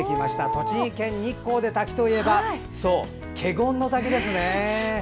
栃木県日光で滝といえばそう、華厳ノ滝ですね。